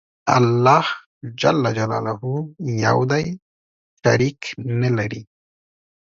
الله ج یو دی شریک نه لری